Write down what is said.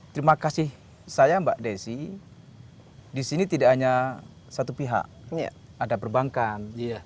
terima kasih saya mbak desi di sini tidak hanya satu pihak ada perbankan